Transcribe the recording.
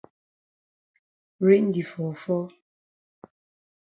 Rain di fall fall.